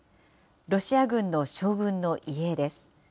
ロシア軍の将軍の遺影です。